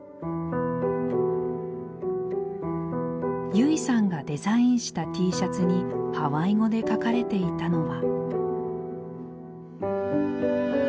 優生さんがデザインしたＴシャツにハワイ語で書かれていたのは。